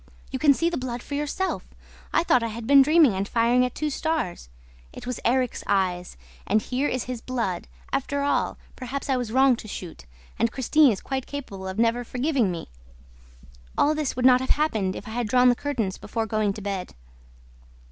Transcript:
"You can see the blood for yourself. I thought I had been dreaming and firing at two stars. It was Erik's eyes ... and here is his blood! ... After all, perhaps I was wrong to shoot; and Christine is quite capable of never forgiving me ... All this would not have happened if I had drawn the curtains before going to bed."